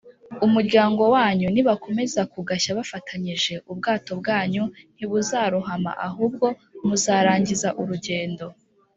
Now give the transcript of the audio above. umuryango wanyu nibakomeza kugashya bafatanyije ubwato bwanyu ntibuzarohama ahubwo muzarangiza urugendo